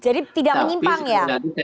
jadi tidak menyimpang ya